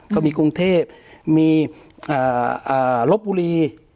ก็มีกรุงเทพฯมีรบบูลลี่